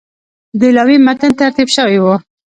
د اعلامیې متن ترتیب شوی وو.